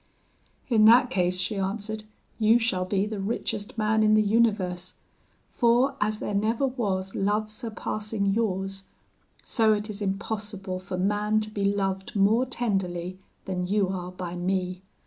"'In that case,' she answered, 'you shall be the richest man in the universe; for, as there never was love surpassing yours, so it is impossible for man to be loved more tenderly than you are by me.